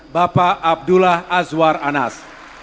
bapak abdullah azwar anas